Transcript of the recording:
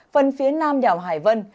phần phía nam đảo hải vân